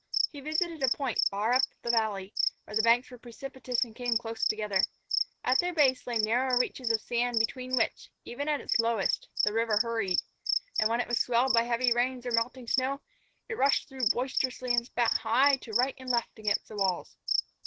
He visited a point far up the valley, where the banks were precipitous and came close together. At their base lay narrow reaches of sand between which, even at its lowest, the river hurried; and when it was swelled by heavy rains or melting snow, it rushed through boisterously and spat high to right and left against the walls.